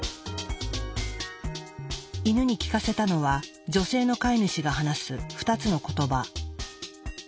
イヌに聞かせたのは女性の飼い主が話す２つの言葉。